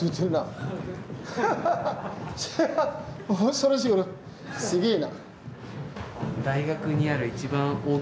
恐ろしいすげえな。